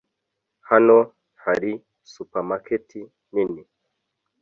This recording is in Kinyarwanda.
Hano hari supermarket nini.